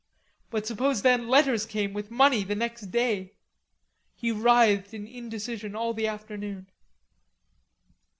But suppose then letters came with money the next day. He writhed in indecision all the afternoon.